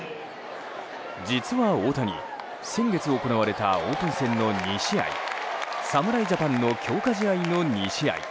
実は大谷、先月行われたオープン戦の２試合侍ジャパンの強化試合の２試合